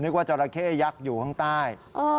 ว่าจราเข้ยักษ์อยู่ข้างใต้